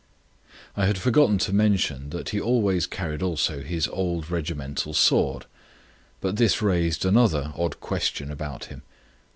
I had forgotten to mention that he always carried also his old regimental sword. But this raised another odd question about him.